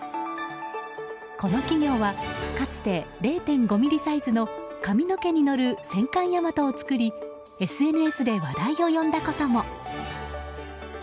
この企業は、かつて０．５ｍｍサイズの髪の毛に乗る戦艦「大和」を作りＳＮＳで話題を呼んだことも。